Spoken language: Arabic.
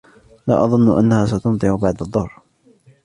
لا أظن أنها ستمطر بعد الظهر.